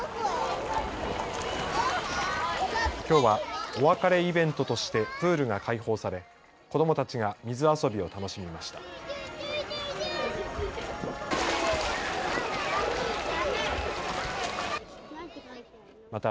きょうはお別れイベントとしてプールが開放され子どもたちが水遊びを楽しみました。